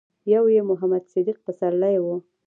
يو يې محمد صديق پسرلی و.